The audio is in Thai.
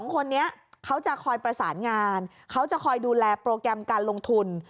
๒คนนี้เขาจะคอยประสานงานเขาจะคอยดูแลโปรแกรมการลงทุน